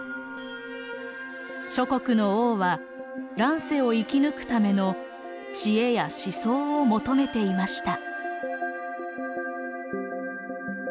諸国の王は乱世を生き抜くための智慧や思想を求めていました。